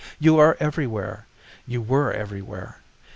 You are everywhere. You were everywhere.